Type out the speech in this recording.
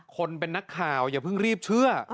คนเป็นนักข่าวอย่าเพิ่งรีบเชื่อ